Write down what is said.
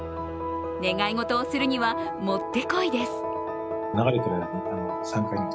願い事をするにはもってこいです。